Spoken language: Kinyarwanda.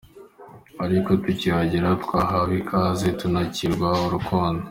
Ariko tukihagera twahawe ikaze tunakiranwa urukundo!!!”.